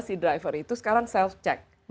si driver itu sekarang self check